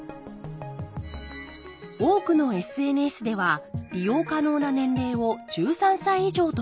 多くのＳＮＳでは利用可能な年齢を１３歳以上としています。